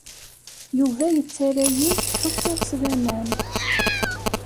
Yuba yettarra-yi ttḥussuɣ s laman.